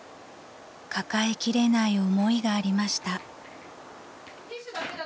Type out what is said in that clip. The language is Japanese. ［抱えきれない思いがありました］